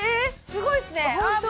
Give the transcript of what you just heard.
すごいっすねあっ